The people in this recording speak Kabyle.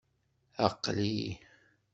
Aql-i!